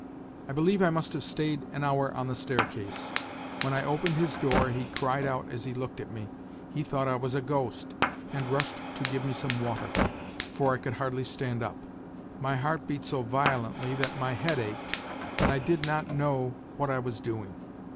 I believe I must have stayed an hour on the staircase. When I opened his door he cried out as he looked at me. He thought I was a ghost, and rushed to give me some water, for I could hardly stand up. My heart beat so violently that my head ached, and I did not know what I was doing.